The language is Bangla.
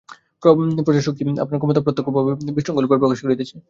প্রজাশক্তি আপনার ক্ষমতা অপ্রত্যক্ষভাবে বিশৃঙ্খলরূপে প্রকাশ করিতেছে।